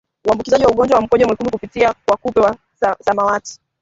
uambukizaji wa ugonjwa wa Mkojo Mwekundu kupitia kwa kupe wa samawati